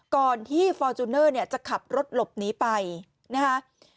ก่อนที่ฟอร์จูเนอร์เนี่ยจะขับรถหลบหนีไปนะคะ